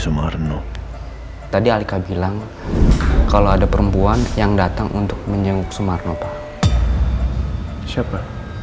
sumarno tadi alika bilang kalau ada perempuan yang datang untuk menjenguk sumarno pak siapa